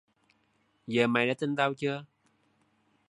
Giờ mày đã tin tao chưa